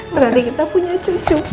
berani kita punya cucu pak